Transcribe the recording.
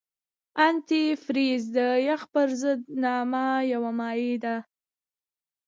انتي فریز د یخ ضد په نامه یو مایع ده.